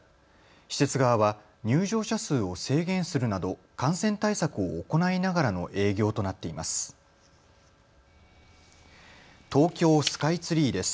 施設側は入場者数を制限するなど感染対策を行いながらの営業となっています。